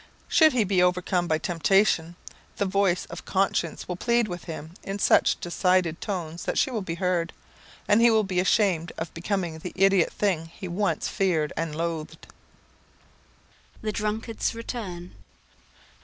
Should he be overcome by temptation, the voice of conscience will plead with him in such decided tones that she will be heard, and he will be ashamed of becoming the idiot thing he once feared and loathed. The Drunkard's Return.